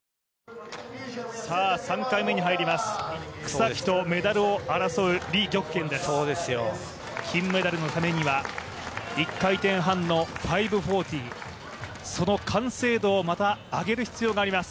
草木とメダルを争う李玉娟です、金メダルのためには１回転半の５４０、その完成度をまた上げる必要があります。